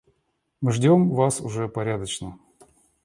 Мы ждём вас уже порядочно.